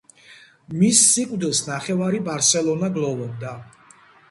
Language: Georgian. მის სიკვდილს ნახევარი ბარსელონა გლოვობდა.